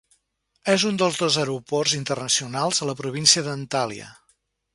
És un dels dos aeroports internacionals a la Província d'Antalya.